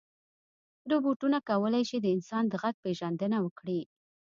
روبوټونه کولی شي د انسان د غږ پېژندنه وکړي.